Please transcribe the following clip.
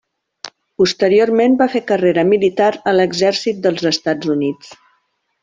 Posteriorment va fer carrera militar a l'Exèrcit dels Estats Units.